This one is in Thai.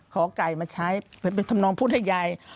ขอไก่มาใช้ไปทำนองพุทธให้ยาย